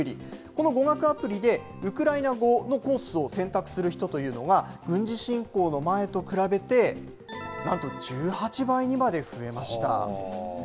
この語学アプリでウクライナ語のコースを選択する人というのが、軍事侵攻の前と比べて、なんと１８倍にまで増えました。